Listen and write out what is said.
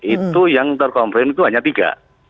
itu yang terkomplain itu hanya tiga